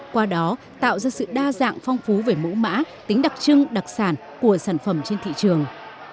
qua đó tạo ra sự đa dạng phong phú về mẫu mã tính đặc trưng đặc sản của sản phẩm trên thị trường